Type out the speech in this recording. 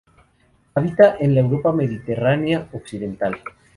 Habita en la Europa mediterránea occidental.